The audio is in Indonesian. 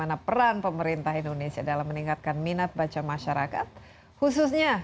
negara dengan hampir dua ratus enam puluh juta